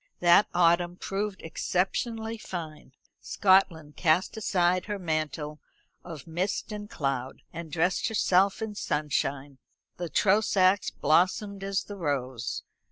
That autumn proved exceptionally fine. Scotland cast aside her mantle of mist and cloud, and dressed herself in sunshine. The Trosachs blossomed as the rose.